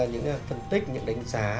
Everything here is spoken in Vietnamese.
những phân tích những đánh giá